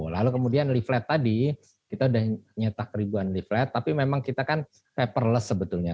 lalu kemudian leaflet tadi kita sudah nyetak ribuan leaflet tapi memang kita kan paperless sebetulnya